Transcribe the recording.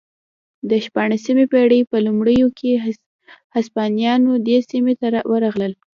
د شپاړسمې پېړۍ په لومړیو کې هسپانویان دې سیمې ته ورغلل